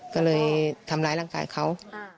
ก็เลยทำร้ายร่างกายเขา